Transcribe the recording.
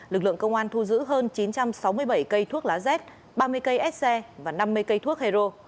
lực lượng công an thu giữ hơn chín trăm sáu mươi bảy cây thuốc lá z ba mươi cây sc và năm mươi cây thuốc hero